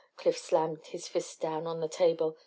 Cliff slammed his fist down on the table.